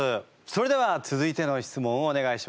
それでは続いての質問をお願いします。